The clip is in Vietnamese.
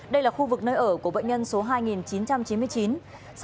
đây là khu vực nơi ở của bệnh nhân số hai chín trăm chín mươi chín